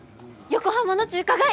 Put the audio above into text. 横浜の中華街！